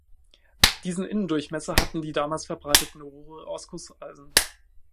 Diesen Innendurchmesser hatten die damals verbreiteten Rohre aus Gusseisen.